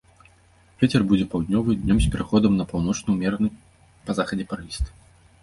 Вецер будзе паўднёвы, днём з пераходам на паўночны ўмераны, па захадзе парывісты.